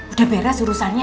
udah beres urusannya